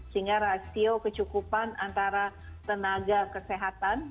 sehingga rasio kecukupan antara tenaga kesehatan